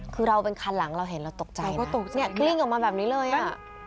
คือเราเป็นคันหลังเราเห็นเราตกใจเนี่ยกลิ้งออกมาแบบนี้เลยอ่ะ